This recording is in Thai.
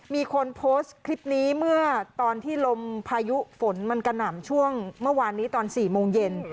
มีคนโพสต์คลิปนี้เมื่อตอนที่ลมพายุฝนมันกระหน่ำช่วงเมื่อวานนี้ตอน๔โมงเย็น